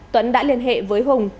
tuấn đã liên hệ với hùng